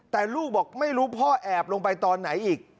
แต่ลูกบอกไม่รู้พ่อแอบลงไปตอนไหนอีก